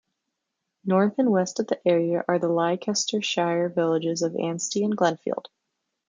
North and west of the area are the Leicestershire villages of Anstey and Glenfield.